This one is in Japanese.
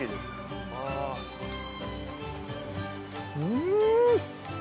うん！